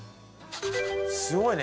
すごいね！